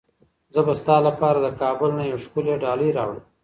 زه به ستا لپاره د کابل نه یوه ښکلې ډالۍ راوړم.